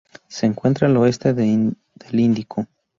Se encuentra al oeste del Índico.